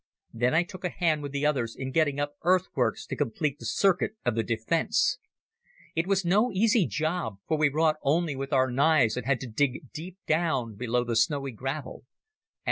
Then I took a hand with the others in getting up earthworks to complete the circuit of the defence. It was no easy job, for we wrought only with our knives and had to dig deep down below the snowy gravel.